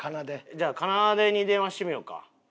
じゃあかなでに電話してみようか。